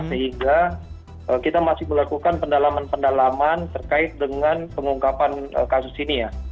sehingga kita masih melakukan pendalaman pendalaman terkait dengan pengungkapan kasus ini ya